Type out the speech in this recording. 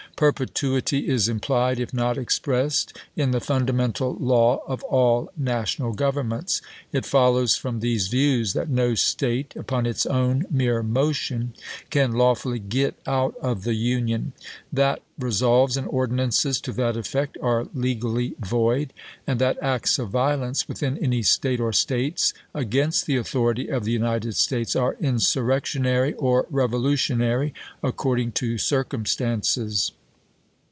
Perpetuity is implied, if not expressed, in the fundamental law of all national governments. .. It follows, from these views, that no State, upon its own mere motion, can lawfully get out of the Union ; that resolves and ordinances to that effect are legally void ; and that acts of violence, within any State or States, against the authority of the United States, are insurrectionary or revolutionary, accord ing to circumstances.